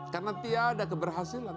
karena tiada keberhasilan